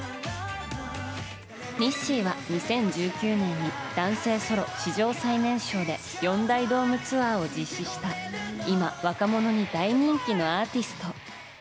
Ｎｉｓｓｙは２０１９年に男性ソロ史上最年少で四大ドームツアーを実施した今、若者に大人気のアーティスト。